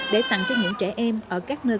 để tặng cho những trẻ em ở các nơi